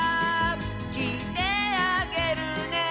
「きいてあげるね」